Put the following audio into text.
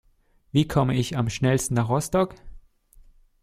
Wie komme ich am schnellsten nach Rostock?